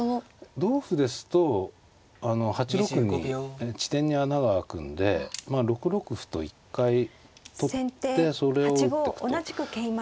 同歩ですと８六に地点に穴が開くんで６六歩と一回取ってそれを打ってくと。